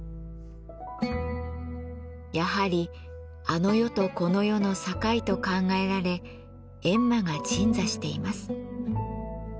やはりあの世とこの世の境と考えられ閻魔が鎮座しています。